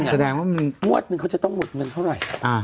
แสดงว่างวดนึงเขาจะต้องหมดเงินเท่าไหร่